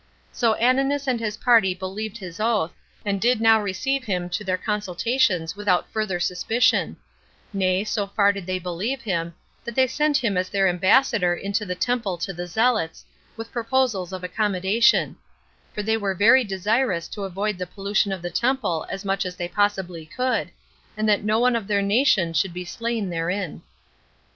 So Ananus and his party believed his oath, and did now receive him to their consultations without further suspicion; nay, so far did they believe him, that they sent him as their ambassador into the temple to the zealots, with proposals of accommodation; for they were very desirous to avoid the pollution of the temple as much as they possibly could, and that no one of their nation should be slain therein.